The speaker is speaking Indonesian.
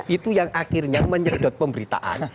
itu yang akhirnya menyedot pemberitaan